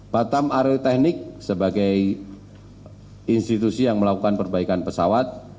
batam aerotechnics sebagai institusi yang melakukan perbaikan pesawat